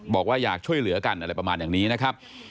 บอกว่าอยากช่วยเหลือกันอะไรประมาณอย่างนี้นะครับ